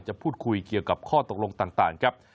พูดคุยเกี่ยวกับข้อตกลงต่างครับ